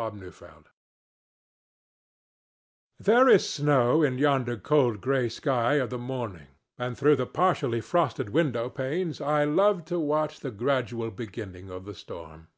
SNOWFLAKES There is snow in yonder cold gray sky of the morning, and through the partially frosted window panes I love to watch the gradual beginning of the storm.